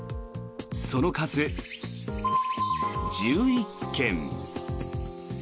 その数、１１軒。